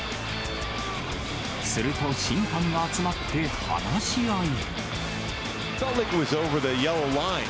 すると審判が集まって話し合い。